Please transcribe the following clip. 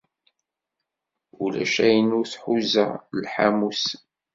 Ulac ayen ur tḥuza lḥamu-s.